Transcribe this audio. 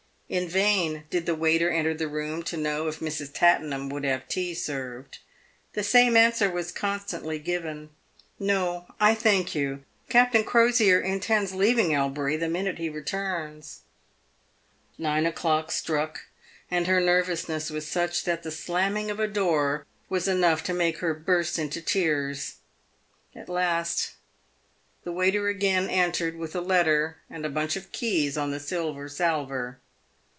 In vain did the waiter enter the room to know if " Mrs. Tattenham" would have tea served. The same answer was constantly given, " No, I thank you. Captain Crosier intends leaving Elbury the moment he returns." Nine o'clock struck, and her nervousness was such that the slamming of a door was enough to make her burst into tears. At last, the waiter again entered, with a letter and bunch of keys on the silver salver.